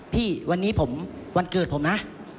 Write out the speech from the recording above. พี่วันนี้ผมวันเกิดผมนะ